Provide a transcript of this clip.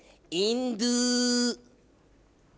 インドゥ。